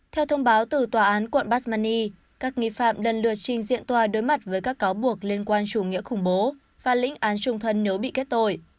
theo thông báo từ tòa án quận basmani các nghi phạm lần lượt trình diễn tòa đối mặt với các cáo buộc liên quan chủ nghĩa khủng bố và lĩnh án trung thân nếu bị kết tội